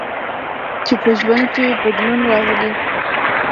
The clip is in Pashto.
چې په ژوند کې بدلون راولي.